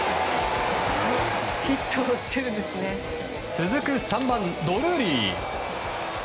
続く３番、ドルーリー。